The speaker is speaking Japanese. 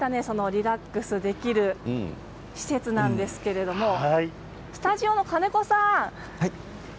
リラックスできる施設なんですけれどスタジオの金子さん